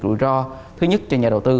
rủi ro thứ nhất cho nhà đầu tư